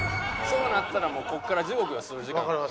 そうなったらもうここから地獄よ数時間。